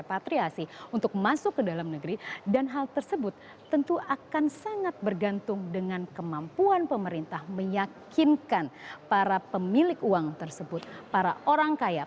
berita terkini dari dpr